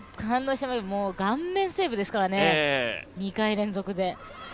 顔面セーブですからね２回連続で。